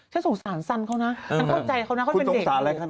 ฉันสงสารสันเขานะฉันเข้าใจเขานะเขาเป็นเด็ก